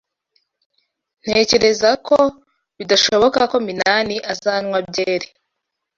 Ntekereza ko bidashoboka ko Minani azanywa byeri